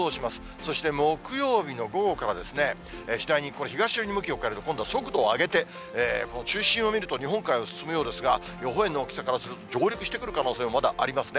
そして木曜日の午後からですね、次第に東寄りに向きを変えると、速度を上げて、中心を見ると日本海を進むようですが、予報円の大きさからすると上陸してくる可能性もまだありますね。